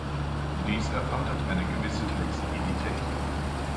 Dies erfordert eine gewisse Flexibilität.